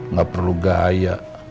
nggak perlu gaya